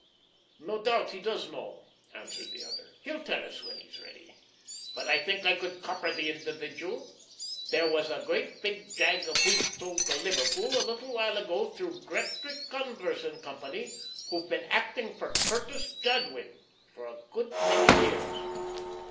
"No doubt he does know," answered the other. "He'll tell us when he's ready. But I think I could copper the individual. There was a great big jag of wheat sold to Liverpool a little while ago through Gretry, Converse & Co., who've been acting for Curtis Jadwin for a good many years."